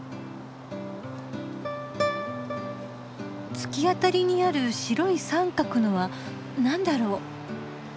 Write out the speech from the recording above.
突き当たりにある白い三角のは何だろう？